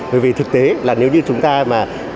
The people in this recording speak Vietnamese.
bởi vì thực tế là nếu như chúng ta mà